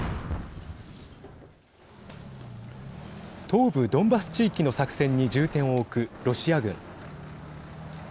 東部ドンバス地域の作戦に重点を置くロシア軍。